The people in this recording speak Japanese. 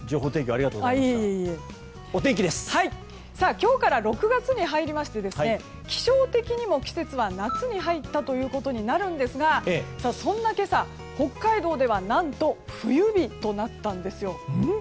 今日から６月に入りまして気象的にも季節は夏に入ったことになるんですがそんな今朝、北海道では何と冬日となったんですよ。